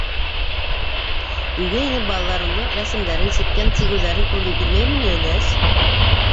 Өйгә инеп, балаларыңдың рәсемдәрен, сиккән сигеүҙәрен күргең килмәйме ни, өләс?